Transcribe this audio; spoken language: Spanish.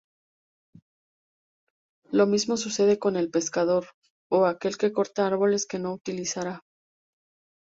Lo mismo sucede con el pescador, o aquel que corta árboles que no utilizará.